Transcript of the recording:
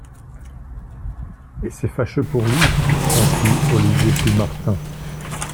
Et c'est fâcheux pour lui, conclut Olivier Plumartin.